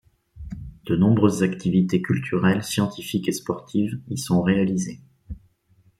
De nombreuses activités culturelles, scientifiques et sportives y sont réalisés.